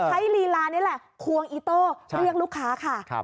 ลีลานี่แหละควงอีโต้เรียกลูกค้าค่ะ